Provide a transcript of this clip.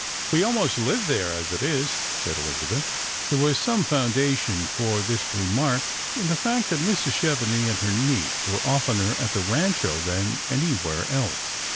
We almost live there, as it is," said Elizabeth. There was some foundation for this remark in the fact that Mrs. Chevenix and her niece were oftener at the Rancho than anywhere else.